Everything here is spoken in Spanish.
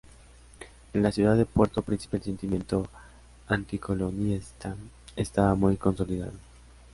En la ciudad de Puerto Príncipe el sentimiento anticolonialista estaba muy consolidado.